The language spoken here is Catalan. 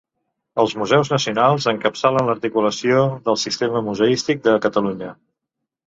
Els museus nacionals encapçalen l'articulació del sistema museístic de Catalunya.